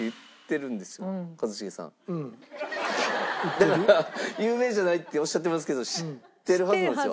だから有名じゃないっておっしゃってますけど知ってるはずなんですよ。